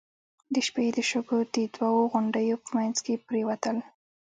د شپې د شګو د دوو غونډيو په مينځ کې پرېوتل.